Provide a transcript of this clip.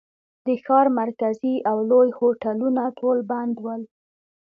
د ښار مرکزي او لوی هوټلونه ټول بند ول.